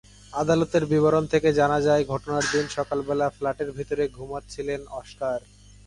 আদালতের বিবরণ থেকে জানা যায়, ঘটনার দিন সকালবেলা ফ্ল্যাটের ভেতরে ঘুমাচ্ছিলেন অস্কার।